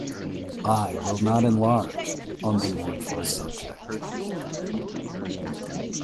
I will not enlarge on the mournful subject.